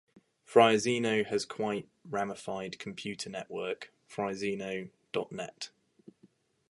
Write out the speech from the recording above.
Fryazino has quite ramified computer network "Fryazino dot net".